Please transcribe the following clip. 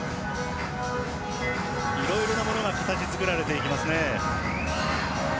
いろいろなものが形作られていきますね。